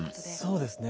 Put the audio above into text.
そうですね